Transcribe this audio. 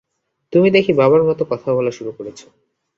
তুমি দেখি বাবার মতো কথা বলা শুরু করেছো।